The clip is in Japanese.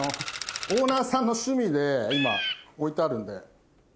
オーナーさんの趣味で今置いてあるんで。